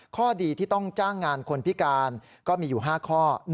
ข้อดีที่ต้องจ้างงานคนพิการก็มีอยู่๕ข้อ